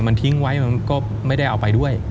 มันทิ้งไว้มันก็ไม่ได้เอาไปด้วย